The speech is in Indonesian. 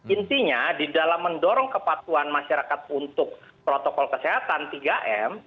intinya di dalam mendorong kepatuhan masyarakat untuk protokol kesehatan tiga m